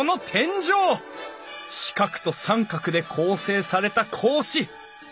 四角と三角で構成された格子。